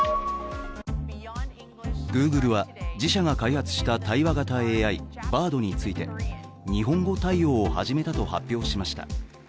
Ｇｏｏｇｌｅは、自社が開発した対話型ＡＩ、Ｂａｒｄについて日本語対応を始めたと発表しました。